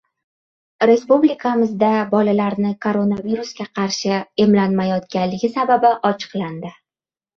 Respublikamizda bolalarni koronavirusga qarshi emlanmayotganligi sababi ochiqlandi